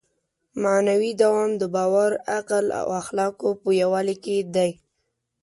معنوي دوام د باور، عقل او اخلاقو په یووالي کې دی.